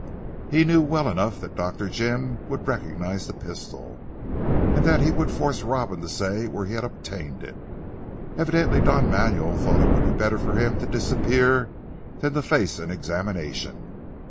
He knew well enough that Dr. Jim would recognise the pistol, and that he would force Robin to say where he had obtained it. Evidently Don Manuel thought it would be better for him to disappear than to face an examination.